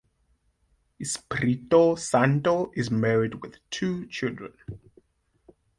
Espirito Santo is married with two children.